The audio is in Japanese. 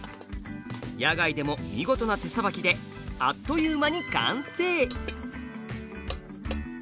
野外でも見事な手さばきであっという間に完成！